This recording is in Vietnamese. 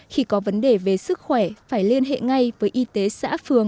khi có vấn đề về sức khỏe phải liên hệ ngay với y tế xã phường